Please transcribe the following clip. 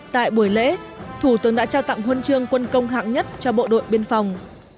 tại buổi lễ thủ tướng đã trao tặng huân chương quân công hạng nhất cho bộ đội biên phòng